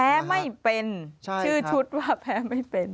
แพ้ไม่เป็นชื่อชุดว่าแพ้ไม่เป็น